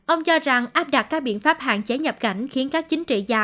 ông cho rằng áp đặt các biện pháp hạn chế nhập cảnh khiến các chính trị gia